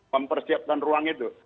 mempersiapkan ruang itu